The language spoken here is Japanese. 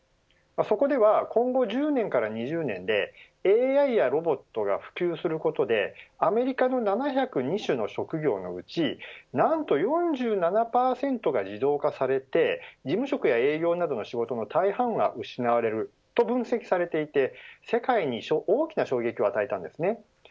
そこでは今後１０年から２０年でＡＩやロボットが普及することでアメリカの７０２種の職業のうち何と４７％が自動化されて事務職や営業などの仕事の大半は失われると分析されていて世界に大きな衝撃を与えたんですね。